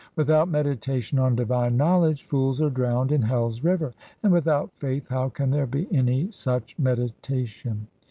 Without meditation on divine knowledge fools are drowned in hell's river ; and without faith how can there be any such meditation